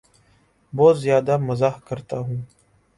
بہت زیادہ مزاح کرتا ہوں